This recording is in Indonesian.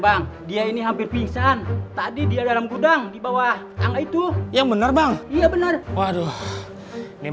bang dia ini hampir pingsan tadi dia dalam gudang di bawah itu yang bener bang iya bener waduh nih